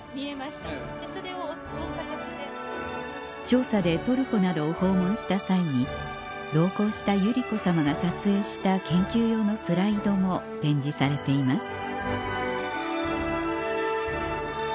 調査でトルコなどを訪問した際に同行した百合子さまが撮影した研究用のスライドも展示されています